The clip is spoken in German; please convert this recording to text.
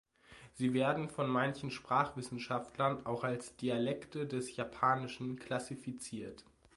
Sie werden von manchen Sprachwissenschaftlern auch als Dialekte des Japanischen klassifiziert.